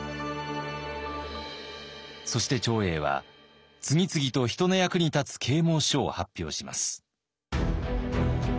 そして長英は次々と人の役に立つ啓もう書を発表します。